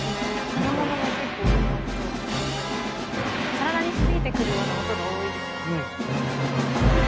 体に響いてくるような音が多いですよね。